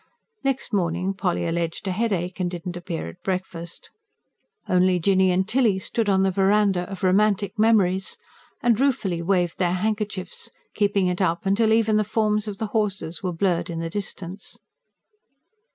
Next morning Polly alleged a headache and did not appear at breakfast. Only Jinny and Tilly stood on the verandah of romantic memories, and ruefully waved their handkerchiefs, keeping it up till even the forms of horses were blurred in the distance.